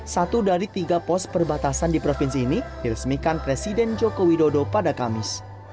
satu dari tiga pos perbatasan di provinsi ini diresmikan presiden joko widodo pada kamis